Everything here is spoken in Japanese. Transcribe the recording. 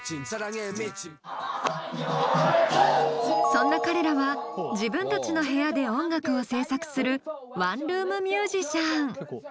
そんな彼らは自分たちの部屋で音楽を制作するワンルーム☆ミュージシャン。